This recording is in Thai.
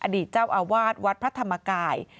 อดีตเจ้าอาวาสวัดพระธรรมกาย